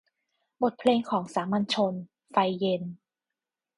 บทเพลงของสามัญชน - ไฟเย็น